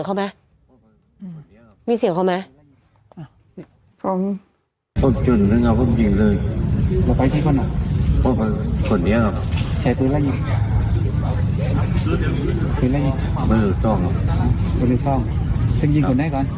มันต้องมีเสียงเขาไหม